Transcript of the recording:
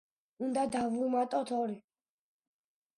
უნდა დავუმატოთ ორი.